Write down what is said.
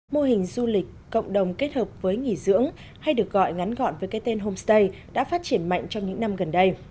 mô hình du lịch cộng đồng kết hợp với nghỉ dưỡng hay được gọi ngắn gọn với cái tên homestay đã phát triển mạnh trong những năm gần đây